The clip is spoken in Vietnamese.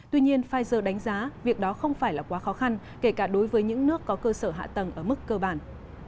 tuy nhiên pfizer đánh giá việc đó không phải là quá khó khăn kể cả đối với những nước có cơ sở hạ tầng ở mức cơ bản